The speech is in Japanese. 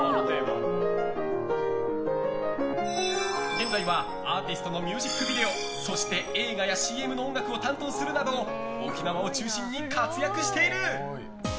現在はアーティストのミュージックビデオそして、映画やＣＭの音楽を担当するなど沖縄を中心に活躍している。